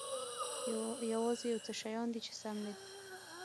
یوازې یو څه شیان دي چې سم نه دي.